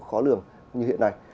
khó lường như hiện nay